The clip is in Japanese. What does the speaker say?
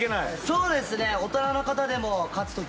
そうですね。